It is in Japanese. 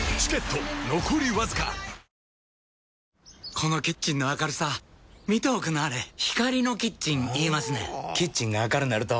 このキッチンの明るさ見ておくんなはれ光のキッチン言いますねんほぉキッチンが明るなると・・・